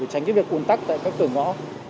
tránh việc cuốn tắc tại các tường ngõ